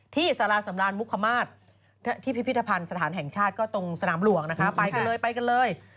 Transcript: ที่ศรสำราญมุขมาศที่พิทธิพันธ์สาธารณ์แห่งชาตก็ตรงสนามหล่วงไปกันเลย